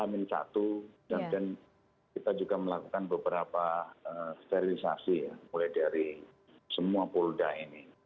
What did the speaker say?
dan kita juga melakukan beberapa sterilisasi ya mulai dari semua polda ini